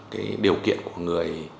cái điều kiện của người